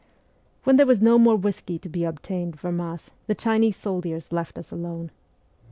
When there was no more whisky to be obtained from us the Chinese soldiers left us alone.